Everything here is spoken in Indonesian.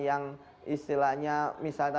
yang istilahnya misalnya